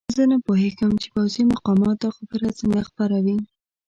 زه نه پوهېږم چې پوځي مقامات دا خبره څنګه خپروي.